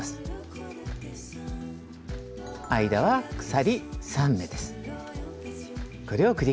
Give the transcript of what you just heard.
間は鎖３目です。